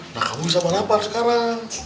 nah kamu bisa mengapa sekarang